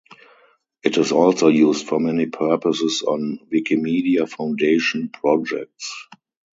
It is also used for many purposes on Wikimedia Foundation projects.